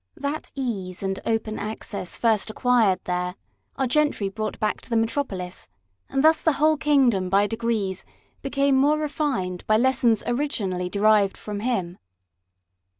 That ease and open access first acquired there, our gentry 42 PREFACE. brought back to the metropolis, and thus the whole kingdom by degrees became more refined by lessons originally derived from him.